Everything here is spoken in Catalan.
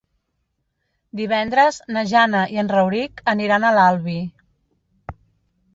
Divendres na Jana i en Rauric aniran a l'Albi.